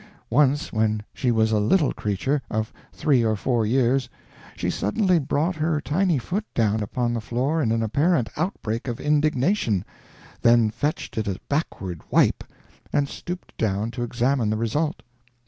Once when she was a little creature of three or four years she suddenly brought her tiny foot down upon the floor in an apparent outbreak of indignation, then fetched it a backward wipe, and stooped down to examine the result.